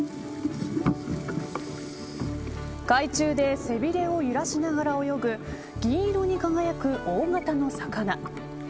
海中で背びれを揺らしながら泳ぐ銀色に輝く大型の魚。